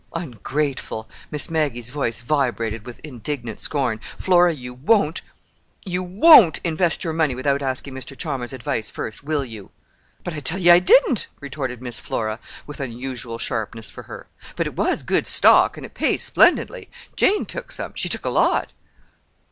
"Ungrateful!" Miss Maggie's voice vibrated with indignant scorn. "Flora, you won't—you won't invest your money without asking Mr. Chalmers's advice first, will you?" "But I tell you I didn't," retorted Miss Flora, with unusual sharpness, for her. "But it was good stock, and it pays splendidly. Jane took some. She took a lot."